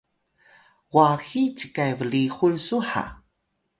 gwahiy cikay blihun su ha